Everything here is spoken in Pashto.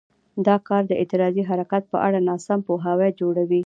دا کار د اعتراضي حرکت په اړه ناسم پوهاوی جوړوي.